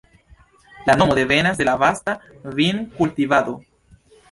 La nomo devenas de la vasta vin-kultivado.